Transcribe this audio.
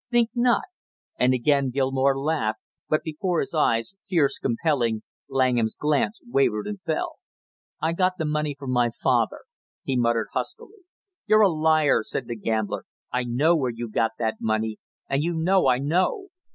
"Think not?" and again Gilmore laughed, but before his eyes, fierce, compelling, Langham's glance wavered and fell. "I got the money from my father," he muttered huskily. "You're a liar!" said the gambler. "I know where you got that money, and you know I know."